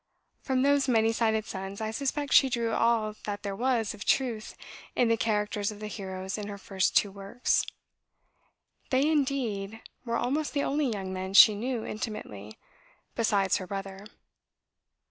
From those many sided sons, I suspect, she drew all that there was of truth in the characters of the heroes in her first two works. They, indeed, were almost the only young men she knew intimately, besides her brother.